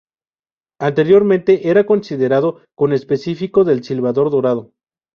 Anteriormente era considerado conespecífico del silbador dorado.